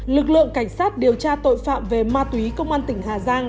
lực lượng cảnh sát điều tra tội phạm về ma túy công an tỉnh hà giang